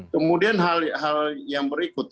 kemudian hal yang berikut